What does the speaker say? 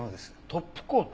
トップコート？